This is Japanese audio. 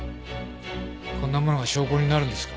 こんなものが証拠になるんですか？